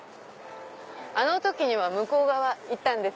あの時には向こう側行ったんですよ。